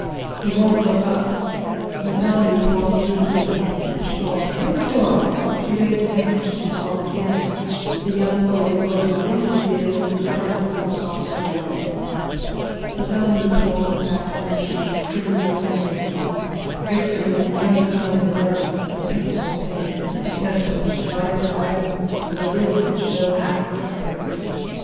"He won't look up." Madame Lebrun flew to the window. She called "Victor!" She waved a handkerchief and called again. The young fellow below got into the vehicle and started the horse off at a gallop. Madame Lebrun went back to the machine, crimson with annoyance. Victor was the younger son and brother—a tête montée, with a temper which invited violence and a will which no ax could break.